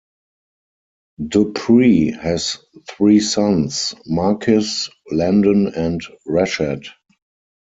Dupree has three sons, Marquez, Landon and Rashad.